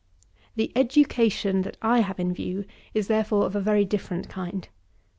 13. The education that I have in view is, therefore, of a very different kind.